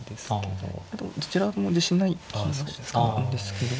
どちらでも自信ない気がしたんですけど。